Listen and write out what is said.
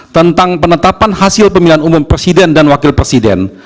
tentang penetapan hasil pemilihan umum presiden dan wakil presiden